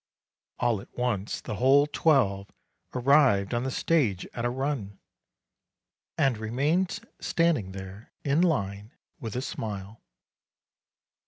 All at once the whole twelve arrived on the stage at a run, and remained standing there in line, with a smile.